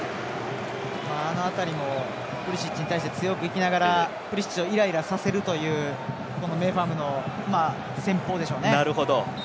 あの辺りもプリシッチに対して強くいきながらイライラさせるというメファムの戦法でしょうね。